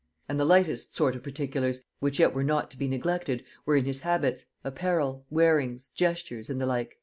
And the lightest sort of particulars, which yet were not to be neglected, were in his habits, apparel, wearings, gestures, and the like."